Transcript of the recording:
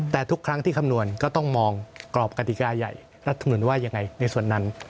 แต่ทุกครั้งที่คำนวณก็ต้องมองกรอบกติกาใหญ่รัฐมนุนว่ายังไงในส่วนนั้น